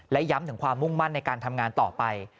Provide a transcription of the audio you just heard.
และย้ำถึงความมุ่งมั่นในการทำงานต่อไป